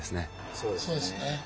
そうですね。